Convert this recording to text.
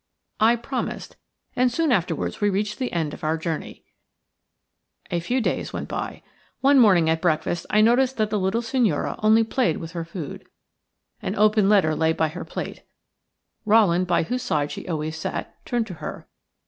I promised, and soon afterwards we reached the end of our journey. A few days went by. One morning at breakfast I noticed that the little signora only played with her food. An open letter lay by her plate. Rowland, by whose side she always sat, turned to her.